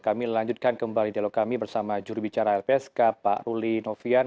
kami lanjutkan kembali dialog kami bersama juru bicara lpsk pak luli novwian